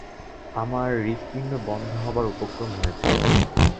আমার হৃৎপিন্ড বন্ধ হবার উপক্রম হয়েছিল।